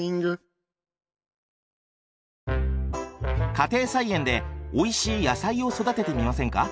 家庭菜園でおいしい野菜を育ててみませんか？